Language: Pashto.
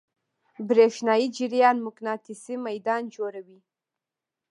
برېښنایی جریان مقناطیسي میدان جوړوي.